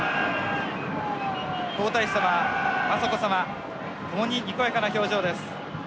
皇太子さま雅子さま共ににこやかな表情です。